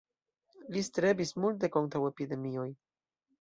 Li strebis multe kontraŭ epidemioj.